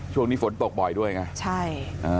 ช่วงนี้ฝนตกบ่อยด้วยไงใช่